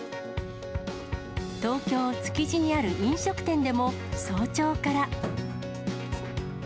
東京・築地にある飲食店でも早朝から。